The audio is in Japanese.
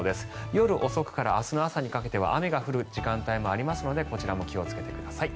夜遅くから明日の朝にかけては雨が降る時間帯もありますのでこちらも気をつけてください。